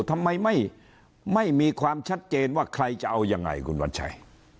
ทำไมไม่มีความชัดเจนว่าใครจะเอายังไงคุณวัญชัย